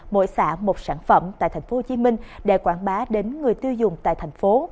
mỗi xã một sản phẩm tại tp hcm để quảng bá đến người tiêu dùng tại thành phố